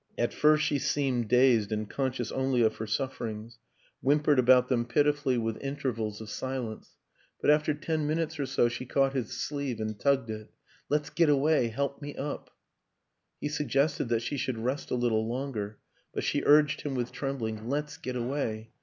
At first she seemed dazed and conscious only of her suffer ings whimpered about them pitifully with in WILLIAM AN ENGLISHMAN 145 tervals of silence but after ten minutes or so she caught his sleeve and tugged it. " Let's get away. Help me up !" He suggested that she should rest a little longer, but she urged him with trembling, " Let's get away